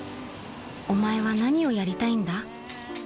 ［お前は何をやりたいんだ？］